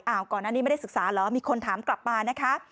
ก่อนอันนี้ไม่ได้ศึกษาเหรอมีคนถามกลับมานะคะ